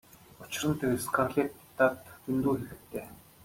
Учир нь тэр Скарлеттад дэндүү хэрэгтэй.